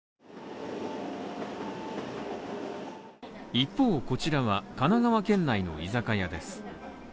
一方こちらは、神奈川県内の居酒屋です。